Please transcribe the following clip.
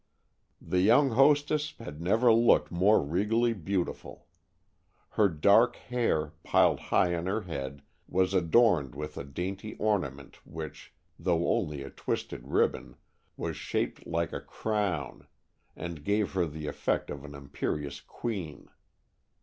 The young hostess had never looked more regally beautiful. Her dark hair, piled high on her head, was adorned with a dainty ornament which, though only a twisted ribbon, was shaped like a crown, and gave her the effect of an imperious queen.